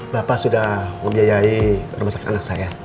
bapak sudah membiayai rumah sakit anak saya